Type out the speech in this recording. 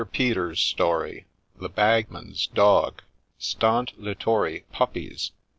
PETERS'S STORY THE BAGMAN'S DOG Stant littore Puppies